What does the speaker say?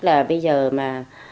là bây giờ mà